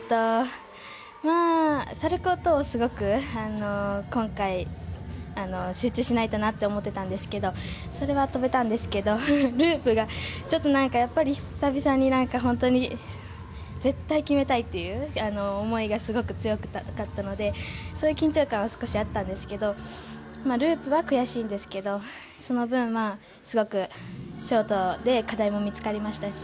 サルコウ、トウはすごく今回集中しないとなと思っていたんですけどそれは跳べたんですけどループがちょっとやっぱり久々に絶対決めたいっていう思いがすごく強かったのでそういう緊張感は少しあったんですけどループは悔しいんですがその分すごくショートで課題も見つかりましたし